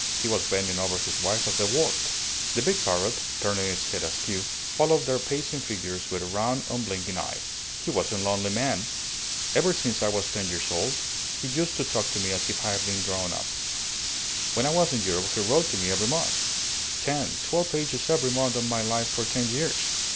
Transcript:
He was bending over his wife as they walked. The big parrot, turning its head askew, followed their pacing figures with a round, unblinking eye. "He was a lonely man. Ever since I was ten years old he used to talk to me as if I had been grown up. When I was in Europe he wrote to me every month. Ten, twelve pages every month of my life for ten years.